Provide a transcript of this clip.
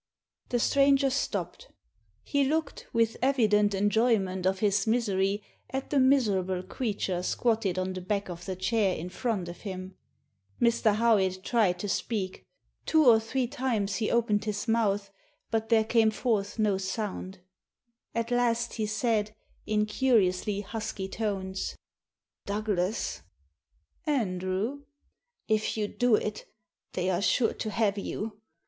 The stranger stopped. He looked, with evident enjoyment of his misery, at the miserable creature squatted on the back of the chair in front of him. Mr. Howitt tried to speak. Two or three times he opened his mouth, but there came forth no sound At last he said, in curiously husky tones — "Douglas?" '^Andrew?* " If you do it they are sure to have you.